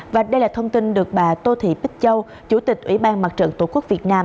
và đây là thông tin được bà tô thị bích châu chủ tịch ủy ban mặt trận tổ quốc việt nam